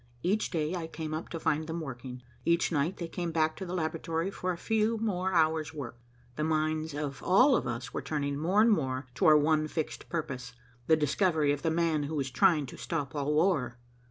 Each day I came up to find them working. Each night they came back to the laboratory for a few more hours' work. The minds of all of us were turning more and more to our one fixed purpose, the discovery of the man who was trying to stop all war.